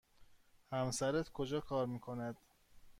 همسرت کجا کار می کند؟